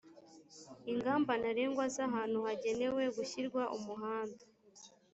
ingamba ntarengwa z ahantu hagenewe gushyirwa umuhanda